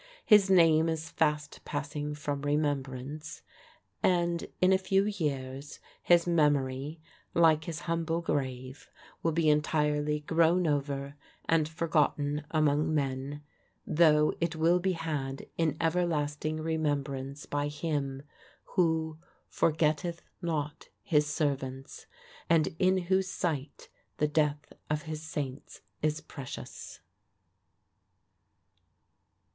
His name is fast passing from remembrance, and in a few years, his memory, like his humble grave, will be entirely grown over and forgotten among men, though it will be had in everlasting remembrance by Him who "forgetteth not his servants," and in whose sight the death of his saints is precious.